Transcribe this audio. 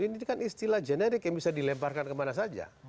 ini kan istilah generik yang bisa dilemparkan kemana saja